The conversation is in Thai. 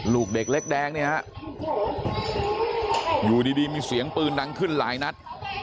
ลูกเด็กเล็กแดงเนี่ยฮะอยู่ดีมีเสียงปืนดังขึ้นหลายนัด